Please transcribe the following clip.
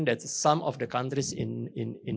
kita ingin memperlembabkan kewangan